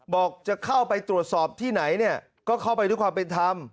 บอกจะเข้าไปตรวจสอบที่ไหนเนี่ยก็เข้าไปด้วยความเป็นธรรม